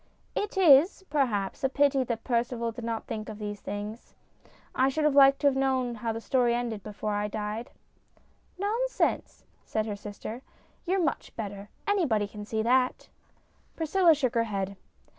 " It is, perhaps, a pity that Percival did not think of these things. I should have liked to have known how the story ended before I died." " Nonsense !" said her sister. " You're much better. Anybody can see that." Priscilla shook her head.